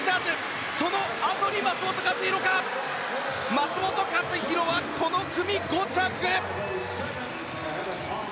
松元克央は、この組５着。